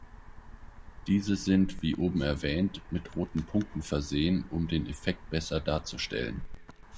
Diese sind, wie oben erwähnt, mit roten Punkten versehen, um den Effet besser darzustellen.